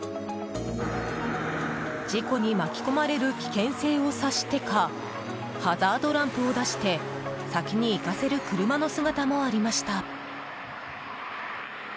事故に巻き込まれる危険性を察してかハザードランプを出して先に行かせる車の姿もありました。